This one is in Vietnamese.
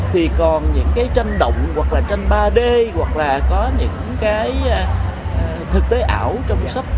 thì còn những tranh động hoặc là tranh ba d hoặc là có những thực tế ảo trong sách